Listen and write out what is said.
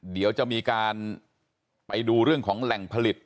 เดี๋ยวจะมีการไปดูเรื่องของแหล่งผลิต